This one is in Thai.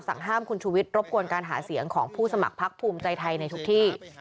ห้ามคุณชุวิทรบกวนการหาเสียงของผู้สมัครพักภูมิใจไทยในทุกที่